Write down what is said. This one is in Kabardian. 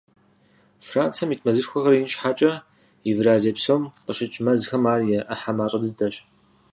Францием ит мэзышхуэхэр ин щхьэкӀэ, Евразие псом къыщыкӀ мэзхэм ар и Ӏыхьэ мащӀэ дыдэщ.